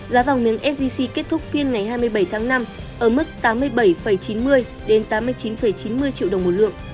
giá vàng miếng sgc kết thúc phiên ngày hai mươi bảy tháng năm ở mức tám mươi bảy chín mươi đến tám mươi chín chín mươi triệu đồng một lượng